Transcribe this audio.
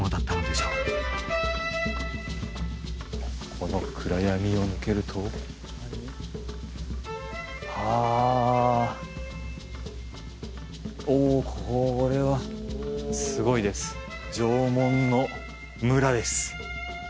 この暗闇を抜けるとあおこれはすごいです縄文のムラです